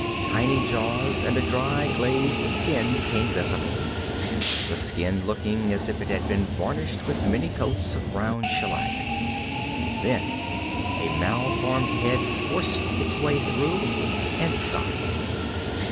Tiny jaws and a dry, glazed skin became visible, the skin looking as if it had been varnished with many coats of brown shellac. Then a malformed head forced its way through and stopped.